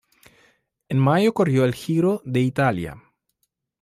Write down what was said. En mayo corrió el Giro de Italia.